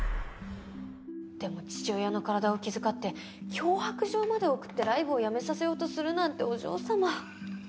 でも父親の体を気遣って脅迫状まで送ってライブをやめさせようとするなんてお嬢様。